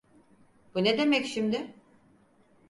Bu ne demek şimdi?